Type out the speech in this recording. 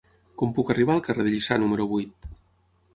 Com puc arribar al carrer de Lliçà número vuit?